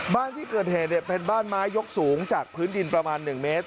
บ้านที่เกิดเหตุเป็นบ้านไม้ยกสูงจากพื้นดินประมาณ๑เมตร